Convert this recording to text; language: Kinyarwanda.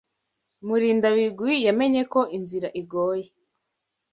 Murindabigwi yamenye ko inzira igoye.